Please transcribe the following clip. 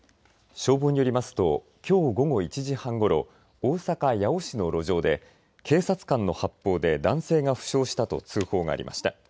消防によりますときょう午後１時半ごろ大阪八尾市の路上で警察官の発砲で男性が負傷したと通報がありました。